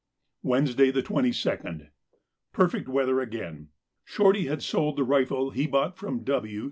Wednesday, the 22nd.—Perfect weather again. Shorty had sold the rifle he bought from W.